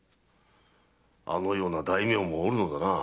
あのような大名も居るのだな。